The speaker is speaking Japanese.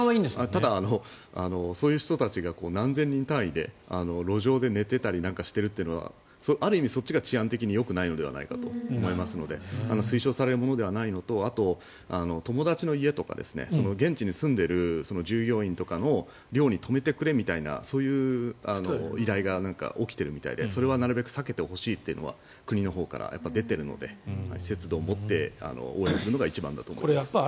ただ、そういう人たちが何千人単位で路上で寝ていたりなんかしているというのはある意味そっちが治安的にはよくないのかなと思いますので推奨されるものではないのとあと友達の家とか現地に住んでいる従業員の寮とかに泊めてくれみたいなそういう依頼が起きているみたいでそれはなるべく避けてほしいというのは国のほうから出ているので節度を持って応援するのが一番だと思います。